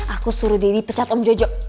aku suruh diri pecat om jojo